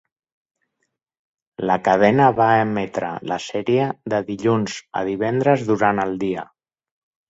La cadena va emetre la sèrie de dilluns a divendres durant el dia.